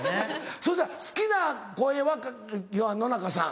そしたら好きな声は要は野中さん。